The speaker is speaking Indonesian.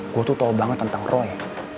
gue tuh tau banget tentang roy